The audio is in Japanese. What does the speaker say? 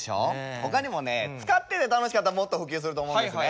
他にもね使ってて楽しかったらもっと普及すると思うんですね。